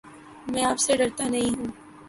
میں آپ سے ڈرتا نہیں ہوں